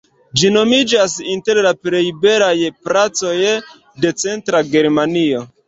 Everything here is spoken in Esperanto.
Ĝi nomiĝas inter la plej belaj placoj de Centra Germanio.